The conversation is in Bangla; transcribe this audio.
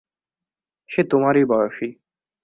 সে তোমারই বয়সী।